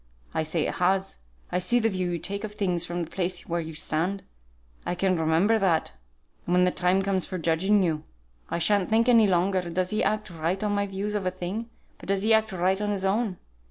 I say it has. I see the view you take of things from the place where you stand. I can remember that, when the time comes for judging you; I sha'n't think any longer, does he act right on my views of a thing, but does he act right on his own.